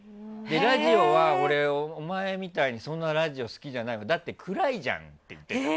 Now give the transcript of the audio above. ラジオは俺、お前みたいにそんなラジオ好きじゃないだって、暗いじゃんって言ってて。